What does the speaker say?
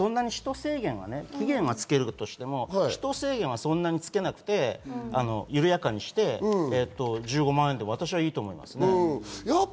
期限はつけるとしても使途制限はつけないとして緩やかにして、１５万円で私もいいと思います。